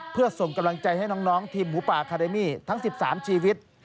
เพื่อส่งกำลังใจให้น้องทีมหมูป่าคาเดมี่ทั้ง๑๓ชีวิต